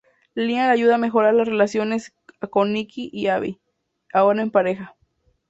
Leah le ayuda a mejorar las relaciones con Nick y Abby, ahora en pareja.